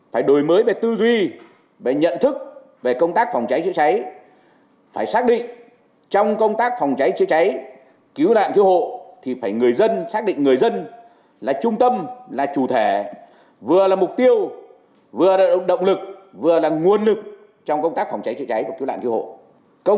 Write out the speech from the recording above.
phải đổi mới về tư duy về nhận thức về công tác phòng cháy chữa cháy phải xác định trong công tác phòng cháy chữa cháy cứu nạn cứu hộ thì phải người dân xác định người dân là trung tâm là chủ thể vừa là mục tiêu vừa là động lực vừa là nguồn lực trong công tác phòng cháy chữa cháy và cứu nạn cứu hộ